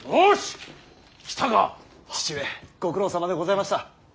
父上ご苦労さまでございました。